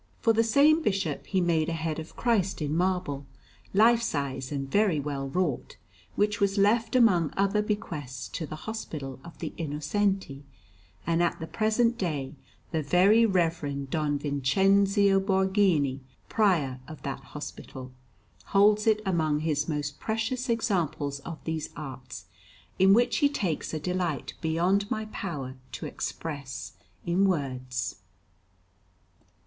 For the same Bishop he made a head of Christ in marble, life size and very well wrought, which was left among other bequests to the Hospital of the Innocenti; and at the present day the Very Reverend Don Vincenzio Borghini, Prior of that hospital, holds it among his most precious examples of these arts, in which he takes a delight beyond my power to express in words.